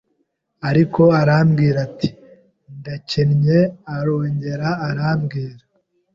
ariko arambwira ati:” Ndakennye” arongera arambwira